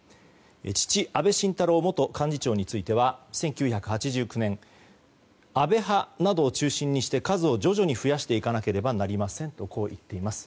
父・安倍晋太郎元幹事長については１９８９年安倍派などを中心にして数を徐々に増やしていかなければなりませんと言っています。